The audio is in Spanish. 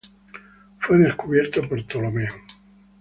Fue descubierta por Ptolomeo.